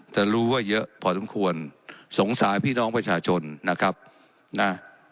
แต่รู้ว่าเยอะพอสมควรสงสารพี่น้องประชาชนนะครับนะ